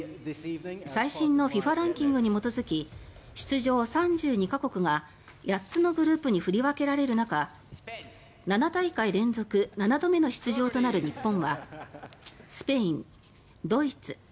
最新のＦＩＦＡランキングに基づき出場３２か国が８つのグループに振り分けられる中７大会連続７度目の出場となる日本はスペイン、ドイツ